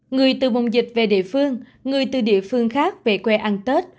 người từ vùng dịch về địa phương người từ địa phương khác về quê ăn tết